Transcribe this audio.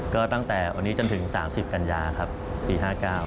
ก็ตั้งแต่วันนี้จนถึง๓๐กันยาครับปี๕๙